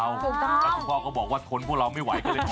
แล้วคุณพ่อก็บอกว่าทนพวกเราไม่ไหวก็เลยท